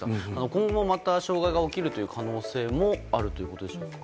今後も障害が起きる可能性はあるということでしょうか。